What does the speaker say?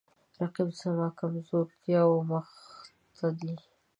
رقیب زما د کمزورتیاو مخ ته دی